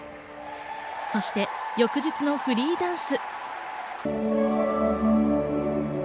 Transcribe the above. そして翌日のフリーダンス。